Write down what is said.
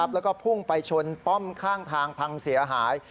แล้วก็พุ่งไปชนป้อมข้างทางพังเสียหาย